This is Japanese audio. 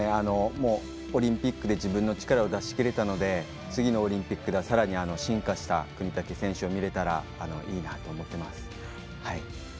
オリンピックで自分の力を出しきれたので次のオリンピックではさらに進化した國武選手が見れたらいいなと思ってます。